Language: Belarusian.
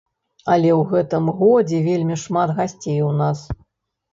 Але ў гэтым годзе вельмі шмат гасцей у нас.